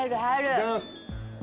いただきます。